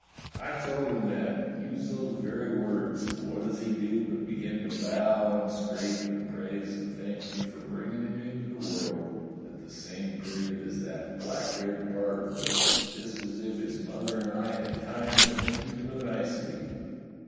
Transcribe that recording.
I told him that, used those very words, and what does he do but begin to bow and scrape and praise and thank me for bringing him into the world at the same period as that black haired bargirl, just as if his mother and I had timed the thing to a nicety!